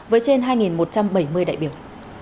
với trên hai một trăm bảy mươi đại biểu